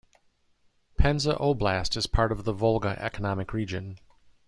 Penza Oblast is part of the Volga economic region.